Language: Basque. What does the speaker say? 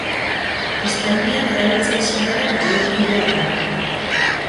Espainian erabiltzen zenaren baliokidea da.